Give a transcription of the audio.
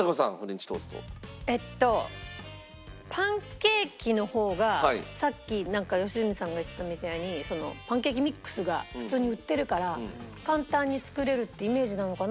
パンケーキの方がさっきなんか良純さんが言ったみたいにパンケーキミックスが普通に売ってるから簡単に作れるってイメージなのかなって。